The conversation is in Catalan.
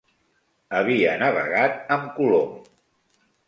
Havia navegat amb Colom.